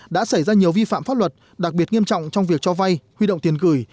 đã xảy ra nhiều vi phạm pháp luật đặc biệt nghiêm trọng trong việc cho vay huy động tiền gửi